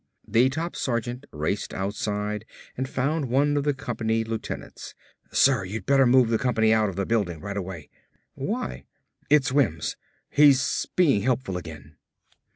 The top sergeant raced outside and found one of the company lieutenants. "Sir, you'd better move the company out of the building right away!" "Why?" "It's Wims. He's being helpful again."